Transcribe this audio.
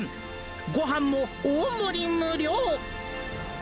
ごはんも大盛り無料。